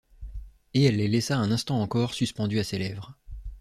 Et elle les laissa un instant encore suspendues à ses lèvres.